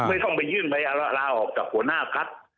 ไม่ต้องไปยื่นใบลาออกจากหัวหน้าพัก